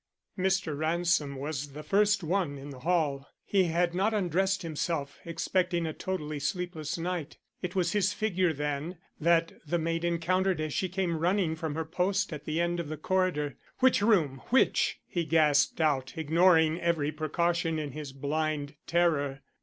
Mr. Ransom was the first one in the hall. He had not undressed himself, expecting a totally sleepless night. It was his figure, then, that the maid encountered as she came running from her post at the end of the corridor. "Which room? which?" he gasped out, ignoring every precaution in his blind terror.